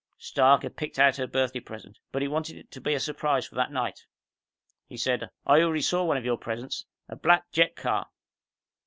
Stark had picked out her birthday present, but he wanted it to be a surprise for that night. He said, "I already saw one of your presents. A black jet car!"